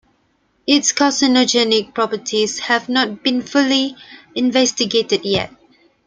Its carcinogenic properties have not been fully investigated yet.